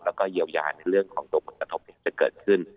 แล้วก็เยียวยาในเรื่องของตัวผลกระทบที่จะเกิดขึ้น